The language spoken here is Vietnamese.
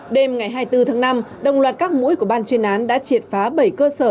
đêm ngày hai mươi bốn tháng năm đồng loạt các mũi của ban chuyên án đã triệt phá bảy cơ sở